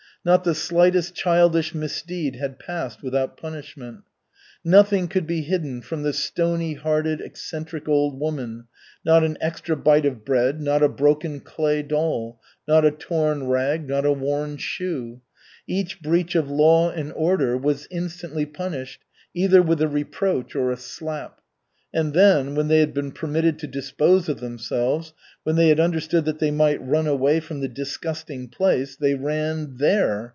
Not the slightest childish misdeed had passed without punishment. Nothing could be hidden from the stony hearted, eccentric old woman, not an extra bite of bread, not a broken clay doll, not a torn rag, not a worn shoe. Each breach of law and order was instantly punished either with a reproach or a slap. And then, when they had been permitted to dispose of themselves, when they had understood that they might run away from the disgusting place, they ran there!